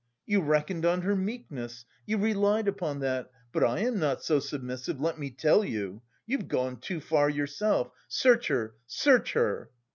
You reckoned on her meekness! You relied upon that! But I am not so submissive, let me tell you! You've gone too far yourself. Search her, search her!"